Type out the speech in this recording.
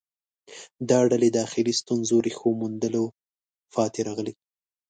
دا ډلې داخلي ستونزو ریښو موندلو پاتې راغلې